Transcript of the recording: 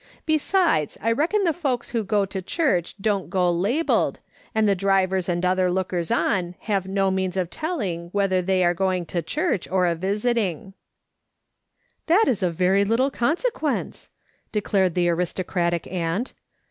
Besides, I reckon the folks who go to church don't go labelled, and the drivers and other lookers on have no means of telling whether they are going to church or a visiting/' " That is of very little consequence," declared the aristocratic aunt.